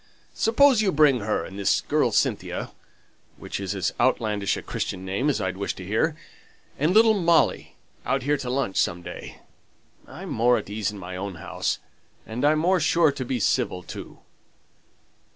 Suppose you bring her, and this girl Cynthia (which is as outlandish a Christian name as I'd wish to hear), and little Molly out here to lunch some day, I'm more at my ease in my own house, and I'm more sure to be civil, too.